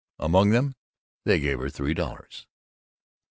Among them, they gave her three dollars.